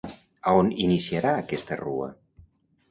A on iniciarà aquesta rua?